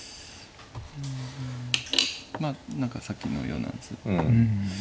まあ何かさっきのような図。